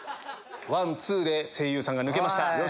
ワンツーで声優さんが抜けました。